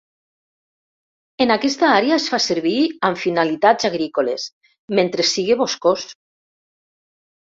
En aquesta àrea es fa servir amb finalitats agrícoles, mentre sigui boscós.